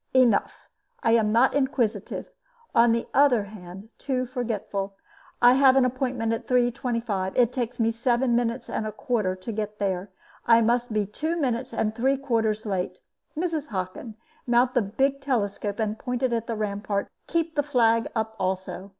"Enough. I am not inquisitive on the other hand, too forgetful. I have an appointment at 3.25. It takes me seven minutes and a quarter to get there. I must be two minutes and three quarters late. Mrs. Hockin, mount the big telescope and point it at the ramparts; keep the flag up also.